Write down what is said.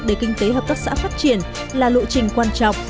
để kinh tế hợp tác xã phát triển là lộ trình quan trọng